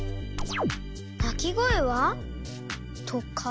「なきごえは？」とか？